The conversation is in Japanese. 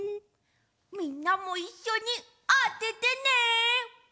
みんなもいっしょにあててね！